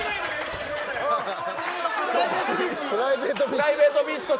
プライベートビーチか。